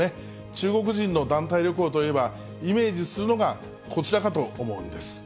中国人の団体旅行といえば、イメージするのがこちらかと思うんです。